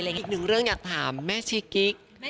แล้วถึงเรื่องอยากถามแม่ชีกิ๊ก